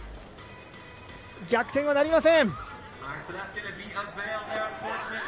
逆転はなりません。